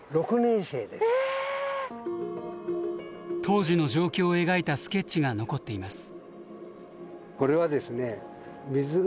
当時の状況を描いたスケッチが残っています。